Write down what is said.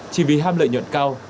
chỉ vì ham lợi nhuận cao